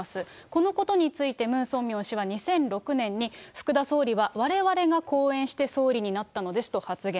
このことについて、ムン・ソンミョン氏は２００６年に福田総理はわれわれが後援して総理になったのですと発言。